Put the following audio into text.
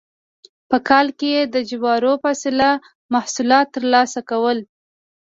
په کال کې یې د جوارو فصله محصولات ترلاسه کول.